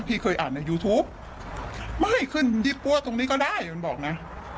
พี่เคยอ่านในยูทูปไม่ขึ้นยี่ปั้วตรงนี้ก็ได้มันบอกนะ